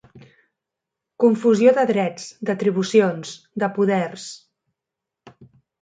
Confusió de drets, d'atribucions, de poders.